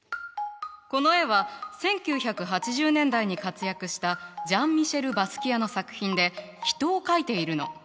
この絵は１９８０年代に活躍したジャン＝ミシェル・バスキアの作品で人を描いているの。